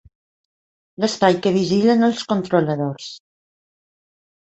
L'espai que vigilen els controladors.